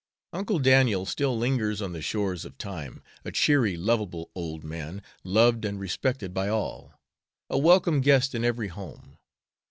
Uncle Daniel still lingers on the shores of time, a cheery, lovable old man, loved and respected by all; a welcome guest in every home.